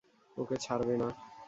ওকে ছাড়বে না।